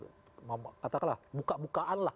katakanlah buka bukaan lah